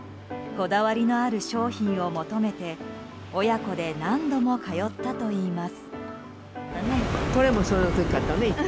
こだわりのある商品を求めて親子で何度も通ったといいます。